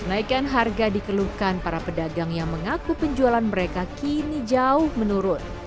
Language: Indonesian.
kenaikan harga dikeluhkan para pedagang yang mengaku penjualan mereka kini jauh menurun